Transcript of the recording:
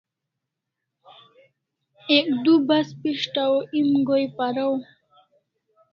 Ek du bas pes'taw o em go'in paraw